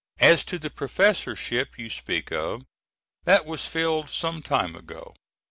As to the professorship you speak of, that was filled some time ago.